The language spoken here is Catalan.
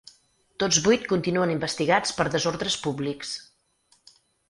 Tots vuit continuen investigats per desordres públics.